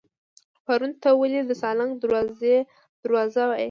پروان ته ولې د سالنګ دروازه وایي؟